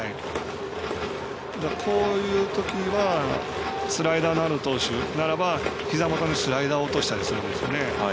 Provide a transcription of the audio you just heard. こういうときはスライダーのある投手ならばひざ元にスライダーを落としたりするんですよね。